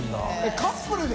┐カップルで？